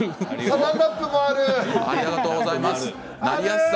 サランラップもある！